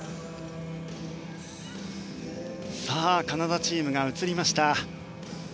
さあ、カナダチームが映りました。